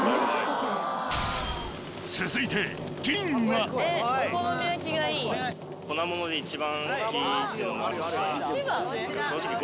続いて銀は正直。